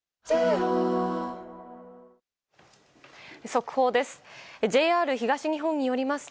速報です。